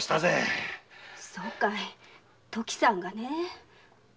そうかい時さんがねぇ。